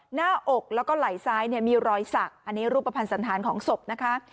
หน้าอกแล้วก็ไหล่ซ้ายเนี่ยมีรอยสักอันนี้รูปภัณฑ์สันธารของศพนะคะ